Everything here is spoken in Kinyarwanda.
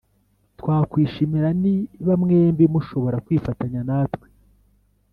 twakwishimira niba mwembi mushobora kwifatanya natwe.